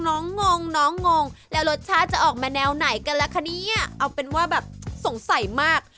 งงน้องงงแล้วรสชาติจะออกมาแนวไหนกันล่ะคะเนี่ยเอาเป็นว่าแบบสงสัยมาก